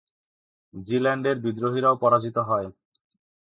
জিল্যান্ডের বিদ্রোহীরাও পরাজিত হয়।